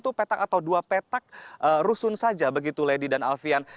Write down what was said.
itu petak atau dua petak rusun saja begitu lady dan alfian